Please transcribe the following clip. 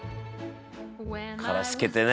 「からしつけてね」